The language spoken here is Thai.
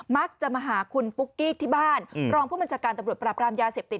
มักจะมาหาคุณปุ๊กกี้ที่บ้านรองผู้บัญชาการตำรวจปราบรามยาเสพติด